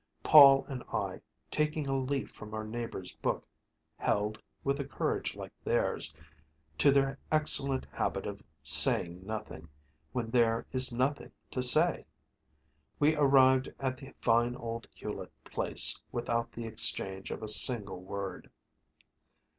Paul and I, taking a leaf from our neighbors' book, held, with a courage like theirs, to their excellent habit of saying nothing when there is nothing to say. We arrived at the fine old Hulett place without the exchange of a single word.